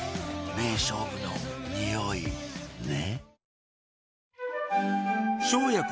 名勝負のニオイね？